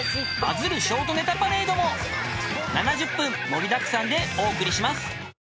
［７０分盛りだくさんでお送りします］